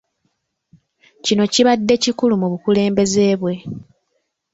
Kino kibadde kikulu mu bukulembeze bwe.